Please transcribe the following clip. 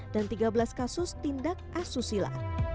dan tiga belas kasus tindak asusila